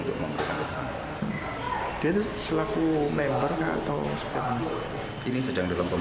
dia itu selaku member atau sebagainya